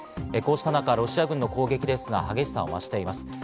こうした中、ロシア軍の攻撃ですが、激しさを増しています。